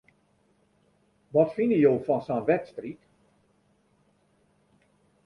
Wat fine jo fan sa'n wedstriid?